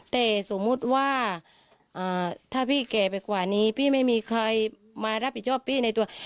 แต่สมมุติว่าถ้าพี่แก่ไปกว่านี้พี่ไม่มีใครมารับผิดชอบพี่ในตัว